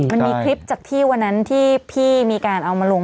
มันมีคลิปจากที่วันนั้นที่พี่มีการเอามาลง